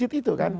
di masjid itu kan